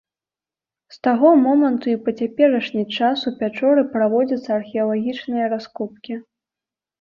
З таго моманту і па цяперашні час у пячоры праводзяцца археалагічныя раскопкі.